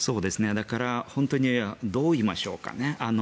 本当にどう言いましょうかね。